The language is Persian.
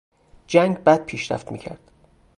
جنگ بد پیشرفت میکرد.